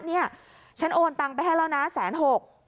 เนี่ยฉันโอนตังไปให้แล้วนะ๑๐๖๐๐๐บาท